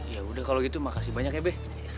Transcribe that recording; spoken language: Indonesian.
ya udah kalau gitu makasih banyak ya be